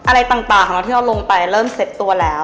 อะไรต่างของเราที่เราลงไปเริ่มเซ็ตตัวแล้ว